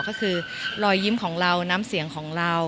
ก็คือรอยยิ้มของเราน้ำเสียงของเรา